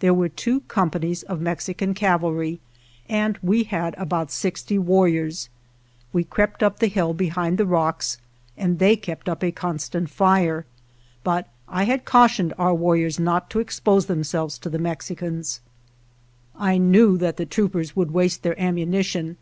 There were two companies of Mexican cavalry, and we had about sixty warriors. We crept up the hill behind the rocks, and they kept up a constant fire, but I had cautioned our war riors not to expose themselves to the Mex icans. I knew that the troopers would waste their ammunition.